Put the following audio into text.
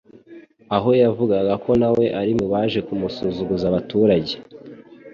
aho yavugaga ko nawe ari mu baje kumusuzuguza abaturage.